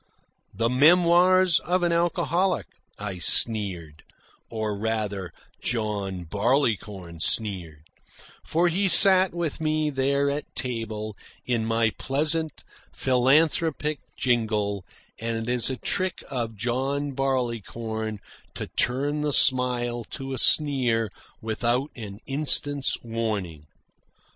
"The 'Memoirs of an Alcoholic,'" I sneered or, rather, John Barleycorn sneered; for he sat with me there at table in my pleasant, philanthropic jingle, and it is a trick of John Barleycorn to turn the smile to a sneer without an instant's warning.